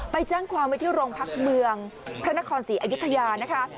ไปแจ้งความไว้ที่โรงพักเมืองพระนครศรีอยุธยานะคะ